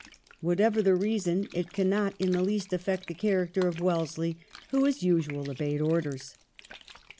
Whatever the reason it cannot in the least aflfect the character of Wellesley, who as usual obeyed orders.